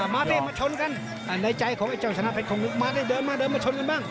มาเต้มมาชนกันในใจของไอ้เจ้าชนะเป็ดของนึกมาเต้มเดินมาชนกันบ้าง